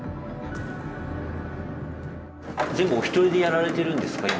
全部お一人でやられてるんですか？